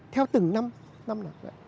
theo từng năm năm lần